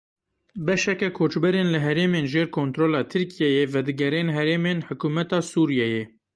Beşeke koçberên li herêmên jêr kontrola Tirkiyeyê vedigerên herêmên hikûmeta Sûriyeyê.